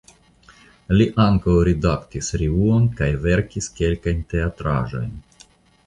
Li ankaŭ redaktis revuon kaj verkis kelkajn teatraĵojn.